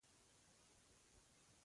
د هغه نه به څه توقع وکړو.